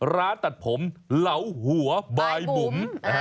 ร้านตัดผมเหลาหัวบายบุ๋ม